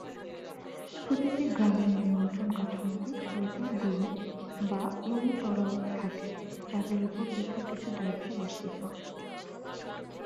প্রতিটি গ্রামের নিয়ন্ত্রণ কাঠামোতে ছয়জন গুরু বা অরি-তরাউপ থাকে; যাদের উপর পৃথক কিছু দায়িত্ব অর্পিত।